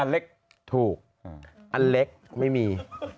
อเล็กซ์ถูกอเล็กซ์ไม่มี